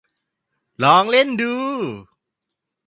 ลองเล่นดู